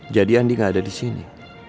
jadi andi gak ada disini